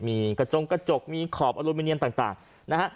มีกระจงกระจกมีขอบอลูมิเนียมต่างนะฮะ